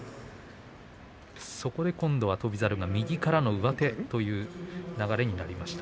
そこで翔猿が右からの上手という流れになりました。